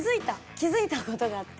気付いた事があって。